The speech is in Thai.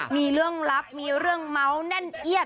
มีเรื่องลับมีเรื่องเมาส์แน่นเอียด